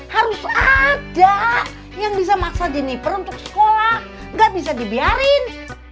harus ada yang bisa maksa jenniper untuk sekolah gak bisa dibiarin